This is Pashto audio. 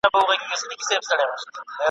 اه او اوف وي نور نو سړی نه پوهیږي !.